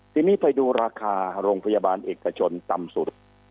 ทีนี้ไปดูราคาโรงพยาบาลเอกชนต่ำสุด